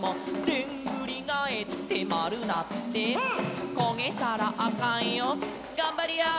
「でんぐりがえってまるなって」「こげたらあかんよがんばりやー」